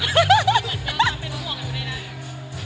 เป็นความเป็นห่วงอีกก็ได้